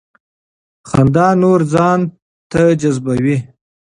خندا نور ځان ته جذبوي.